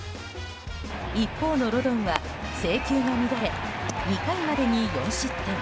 一方のロドンは制球が乱れ２回までに４失点。